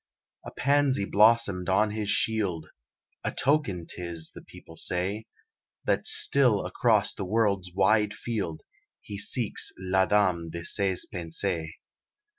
A pansy blossomed on his shield; "A token 'tis," the people say, "That still across the world's wide field He seeks la dame de ses pensées."